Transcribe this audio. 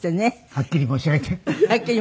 はっきり申し上げて。